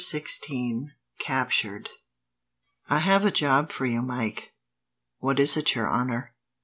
Chapter 16: Captured. "I have a job for you, Mike." "What is it, your honour?"